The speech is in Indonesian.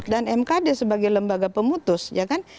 dan mkd sebagai lembaga pemutus ya kan